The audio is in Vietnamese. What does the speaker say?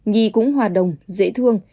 nhi cũng hòa đồng dễ thương